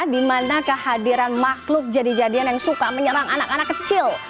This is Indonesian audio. dimana kehadiran makhluk jadi jadian yang suka menyerang anak anak kecil